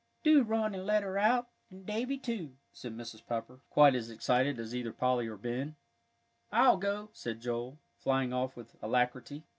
"Do run and let her out, and Davie, too," said Mrs. Pepper, quite as excited as either Polly or Ben. "I'll go," said Joel, flying off with alacrity.